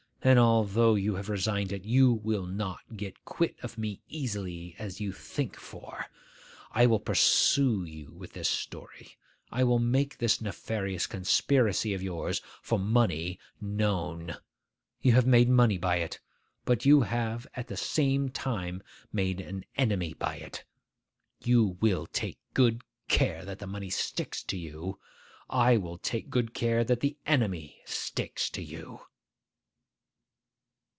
And though you have resigned it, you will not get quit of me as easily as you think for. I will pursue you with this story. I will make this nefarious conspiracy of yours, for money, known. You have made money by it, but you have at the same time made an enemy by it. You will take good care that the money sticks to you; I will take good care that the enemy sticks to you.